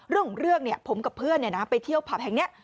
เรื่องเรื่องเนี่ยผมกับเพื่อนเนี่ยนะไปเที่ยวผับแห่งเนี่ย